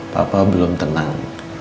papa belum tenang